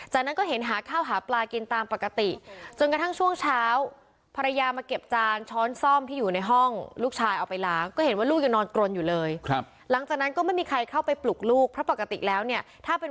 จากนั้นก็เห็นหาข้าวหาปลากินตามปกติจนกระทั่งช่วงเช้า